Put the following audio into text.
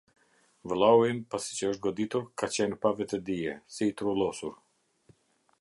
Vëllau im, pasi që është goditur, ka qenë pa vetëdije, si i trullosur.